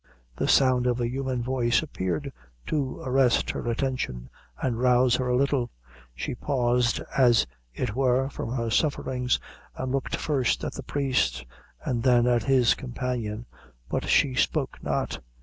The sound of a human voice appeared to arrest her attention, and rouse her a little. She paused, as it were, from her sufferings, and looked first at the priest, and then at his companion but she spoke not.